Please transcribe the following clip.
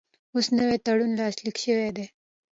اوس نوی تړون لاسلیک شوی دی.